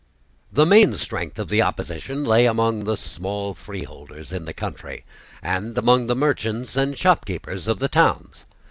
The main strength of the opposition lay among the small freeholders in the country, and among the merchants and shopkeepers of the towns.